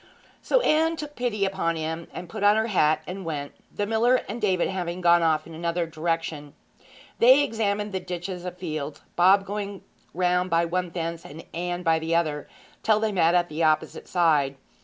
So Anne took pity upon him, and put on her hat and went, the miller and David having gone off in another direction. They examined the ditches of fields, Bob going round by one fence and Anne by the other, till they met at the opposite side.